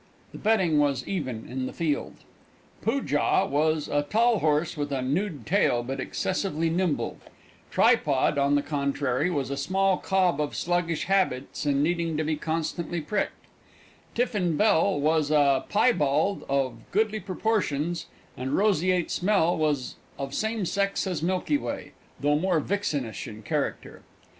The betting was even on the field. Poojah was a large tall horse with a nude tail, but excessively nimble; Tripod, on the contrary, was a small cob of sluggish habits and needing to be constantly pricked; Tiffin Bell was a piebald of goodly proportions; and Roseate Smell was of same sex as Milky Way, though more vixenish in character.